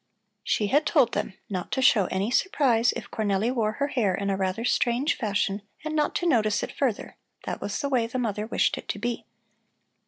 She had told them not to show any surprise if Cornelli wore her hair in a rather strange fashion and not to notice it further; that was the way the mother wished it to be.